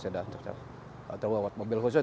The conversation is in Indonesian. dan juga untuk mobil khusus